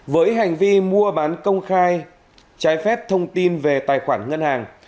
với hành vi mua bán công khai trái phép thông tin về tài khoản ngân hàng